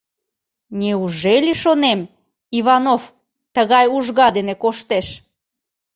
Неужели, шонем, Иванов тыгай ужга дене коштеш?